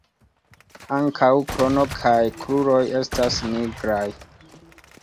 Ankaŭ krono kaj kruroj estas nigraj.